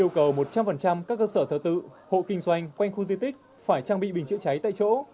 yêu cầu một trăm linh các cơ sở thờ tự hộ kinh doanh quanh khu di tích phải trang bị bình chữa cháy tại chỗ